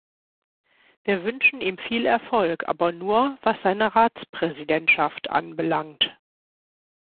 Wir wünschen ihm viel Erfolg, aber nur, was seine Ratspräsidentschaft anbelangt.